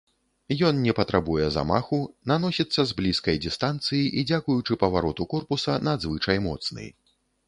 Ён не патрабуе замаху, наносіцца з блізкай дыстанцыі і дзякуючы павароту корпуса надзвычай моцны.